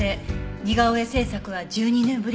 似顔絵制作は１２年ぶりなんだって。